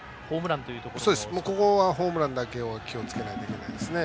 ここはホームランだけを気をつけないといけないですね。